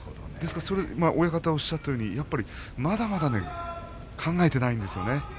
親方がおっしゃったようにまだまだ考えていないんですよ。